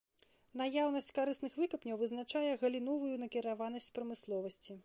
Наяўнасць карысных выкапняў вызначае галіновую накіраванасць прамысловасці.